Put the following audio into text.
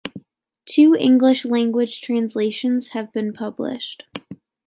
Two English language translations have been published.